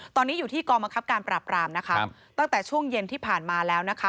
ตอนนี้อยู่ที่กองบังคับการปราบรามนะคะตั้งแต่ช่วงเย็นที่ผ่านมาแล้วนะคะ